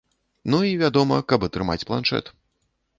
Ну і, вядома, каб атрымаць планшэт.